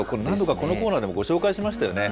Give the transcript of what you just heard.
このコーナーでもご紹介しましたよね。